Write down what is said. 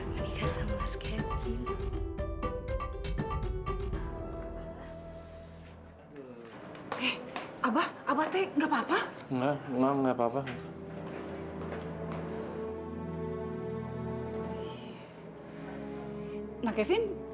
menikah sama mas kevin